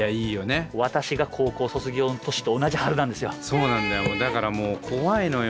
そうなんだよだからもう怖いのよ。